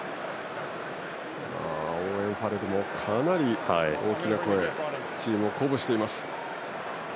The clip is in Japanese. オーウェン・ファレルもかなり大きな声でチームを鼓舞しています。